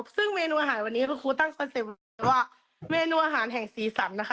ซึ่งเมนูอาหารวันนี้คุณครูตั้งสเต็ปว่าเมนูอาหารแห่งสีสันนะคะ